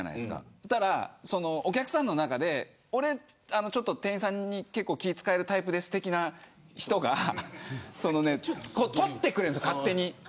そうしたら、お客さんの中で俺は店員さんに結構気を使えるタイプです的な人が勝手に取ってくれるんです。